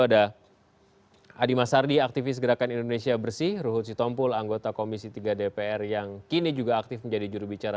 ada adi masardi aktivis gerakan indonesia bersih ruhut sitompul anggota komisi tiga dpr yang kini juga aktif menjadi jurubicara